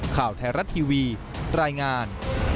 ข่าวไทยรัฐทีวีรายงาน